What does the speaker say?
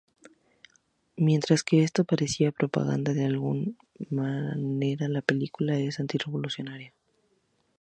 Mientras que esto parecería propaganda, de alguna manera la película es anti-revolucionaria.